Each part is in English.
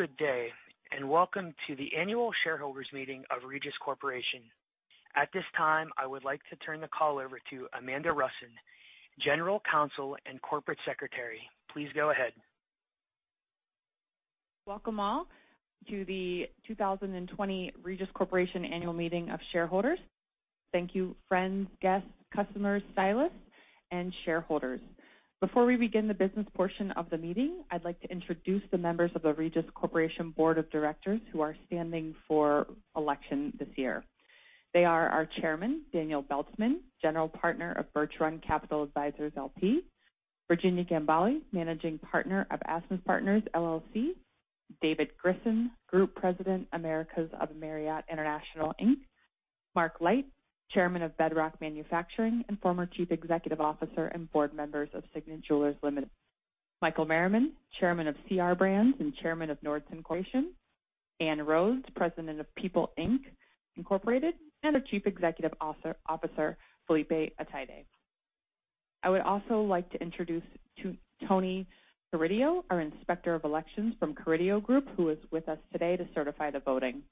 Good day, and welcome to the annual shareholders meeting of Regis Corporation. At this time, I would like to turn the call over to Amanda Rusin, General Counsel and Corporate Secretary. Please go ahead. Welcome all to the 2020 Regis Corporation annual meeting of shareholders. Thank you friends, guests, customers, stylists, and shareholders. Before we begin the business portion of the meeting, I'd like to introduce the members of the Regis Corporation board of directors who are standing for election this year. They are our chairman, Daniel Beltzman, general partner of Birch Run Capital Advisors LP, Virginia Gambale, managing partner of Azimuth Partners LLC, David Grissen, group president, Americas of Marriott International, Inc., Mark Light, chairman of Bedrock Manufacturing and former chief executive officer and board member of Signet Jewelers Limited, Michael Merriman, chairman of CR Brands and chairman of Nordson Corporation, Ann Rhoades, president of People Ink, Inc., and our chief executive officer, Felipe Athayde. I would also like to introduce Tony Carideo, our inspector of elections from The Carideo Group, who is with us today to certify the voting.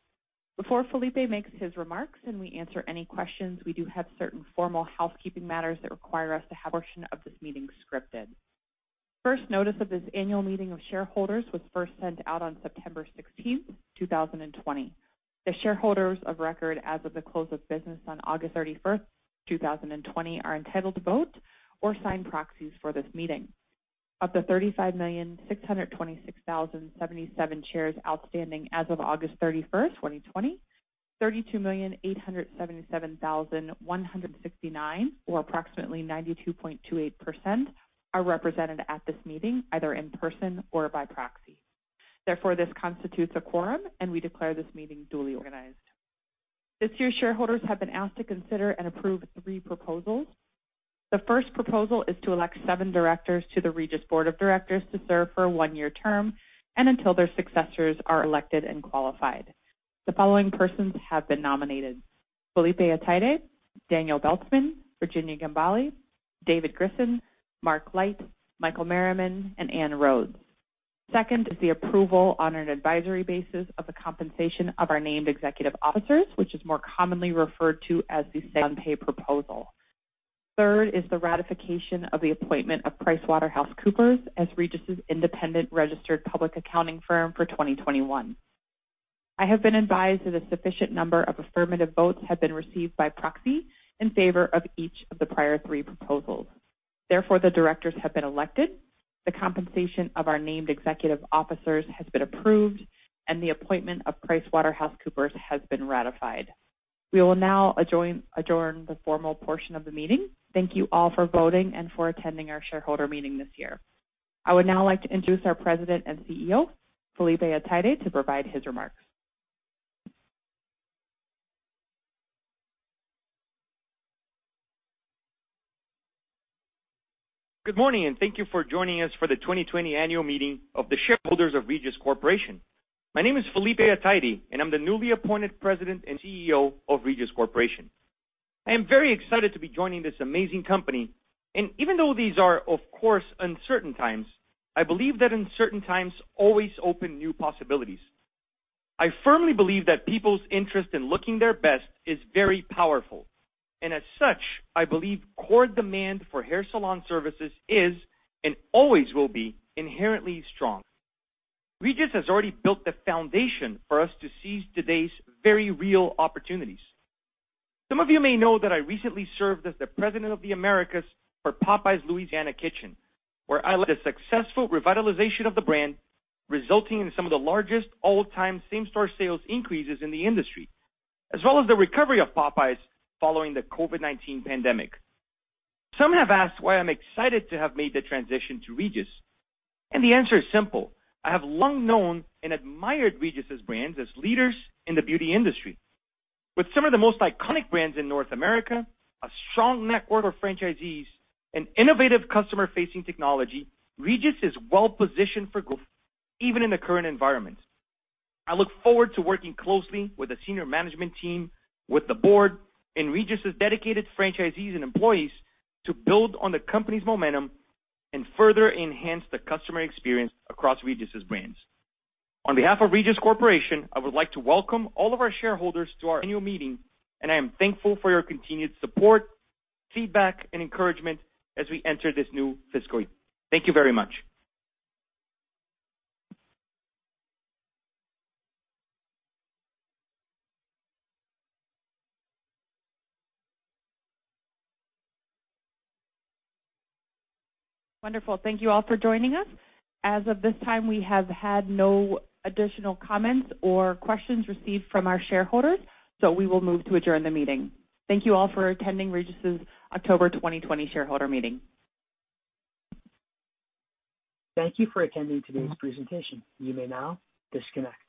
Before Felipe makes his remarks and we answer any questions, we do have certain formal housekeeping matters that require us to have a portion of this meeting scripted. First notice of this annual meeting of shareholders was first sent out on September 16, 2020. The shareholders of record as of the close of business on August 31, 2020, are entitled to vote or sign proxies for this meeting. Of the 35,626,077 shares outstanding as of August 31, 2020, 32,877,169, or approximately 92.28%, are represented at this meeting, either in person or by proxy. This constitutes a quorum, and we declare this meeting duly organized. This year, shareholders have been asked to consider and approve three proposals. The first proposal is to elect seven directors to the Regis board of directors to serve for a one-year term and until their successors are elected and qualified. The following persons have been nominated: Felipe Athayde, Daniel Beltzman, Virginia Gambale, David Grissen, Mark Light, Michael Merriman, and Ann Rhoades. Second is the approval on an advisory basis of the compensation of our named executive officers, which is more commonly referred to as the Say on Pay proposal. Third is the ratification of the appointment of PricewaterhouseCoopers as Regis' independent registered public accounting firm for 2021. I have been advised that a sufficient number of affirmative votes have been received by proxy in favor of each of the prior three proposals. Therefore, the directors have been elected, the compensation of our named executive officers has been approved, and the appointment of PricewaterhouseCoopers has been ratified. We will now adjourn the formal portion of the meeting. Thank you all for voting and for attending our shareholder meeting this year. I would now like to introduce our President and CEO, Felipe Athayde, to provide his remarks. Good morning, thank you for joining us for the 2020 annual meeting of the shareholders of Regis Corporation. My name is Felipe Athayde, and I'm the newly appointed President and CEO of Regis Corporation. I am very excited to be joining this amazing company, and even though these are, of course, uncertain times, I believe that uncertain times always open new possibilities. I firmly believe that people's interest in looking their best is very powerful, and as such, I believe core demand for hair salon services is, and always will be, inherently strong. Regis has already built the foundation for us to seize today's very real opportunities. Some of you may know that I recently served as the president of the Americas for Popeyes Louisiana Kitchen, where I led the successful revitalization of the brand, resulting in some of the largest all-time same-store sales increases in the industry, as well as the recovery of Popeyes following the COVID-19 pandemic. Some have asked why I'm excited to have made the transition to Regis. The answer is simple. I have long known and admired Regis' brands as leaders in the beauty industry. With some of the most iconic brands in North America, a strong network of franchisees, and innovative customer-facing technology, Regis is well-positioned for growth even in the current environment. I look forward to working closely with the senior management team, with the board, and Regis' dedicated franchisees and employees to build on the company's momentum and further enhance the customer experience across Regis' brands. On behalf of Regis Corporation, I would like to welcome all of our shareholders to our annual meeting, and I am thankful for your continued support, feedback, and encouragement as we enter this new fiscal year. Thank you very much. Wonderful. Thank you all for joining us. As of this time, we have had no additional comments or questions received from our shareholders. We will move to adjourn the meeting. Thank you all for attending Regis' October 2020 shareholder meeting. Thank you for attending today's presentation. You may now disconnect.